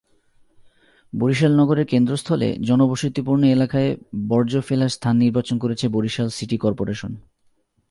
বরিশাল নগরের কেন্দ্রস্থলে জনবসতিপূর্ণ এলাকায় বর্জ্য ফেলার স্থান নির্বাচন করেছে বরিশাল সিটি করপোরেশন।